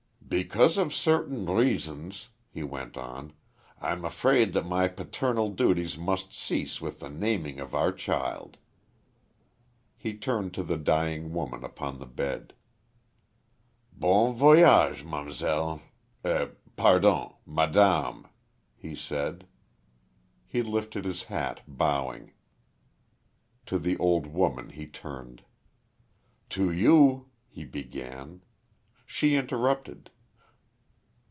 "Because of certain reasons," he went on, "I'm afraid that my paternal duties must cease with the naming of our child." He turned to the dying woman upon the bed. "Bon voyage, mam'selle eh, pardon, madame," he said. He lifted his hat, bowing. To the old woman he turned. "To you " he began; she interrupted.